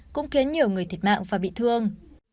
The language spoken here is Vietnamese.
cũng khiến nhiều người thiệt mạng và bị thương